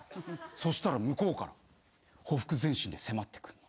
そしたら向こうからほふく前進で迫ってくんの。